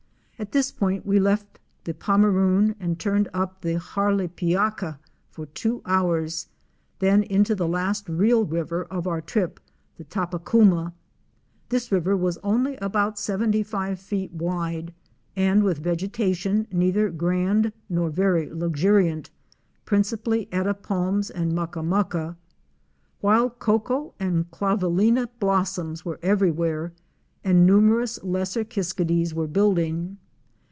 At this point we left the Pomeroon and turned up the Harlipiaka for two hours, then into the last real river of our trip, the Tapakuma. This river was only about seventy five feet wide and with vegetation neither grand nor very luxuri ant, principally eta palms and mucka mucka. Wild cocoa and clavillina blossoms were everywhere and numerous Lesser Kiskadees '" were building.